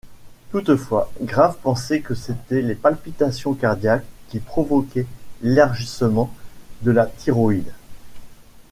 Toutefois, Graves pensait que c'étaient les palpitations cardiaques qui provoquaient l'élargissement de la thyroïde.